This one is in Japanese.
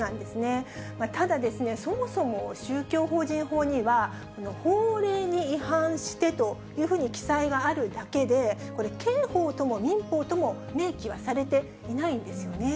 ただ、そもそも宗教法人法には、法令に違反してというふうに記載があるだけで、これ、刑法とも民法とも明記はされていないんですよね。